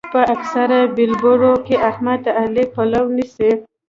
په اکثرو بېلبرو کې احمد د علي پلو نيسي.